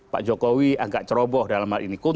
pak jokowi agak ceroboh dalam hal ini